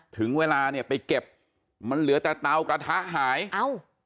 ถึงเวลาเนี่ยไปเก็บมันเหลือแต่เตากระทะหายเอ้า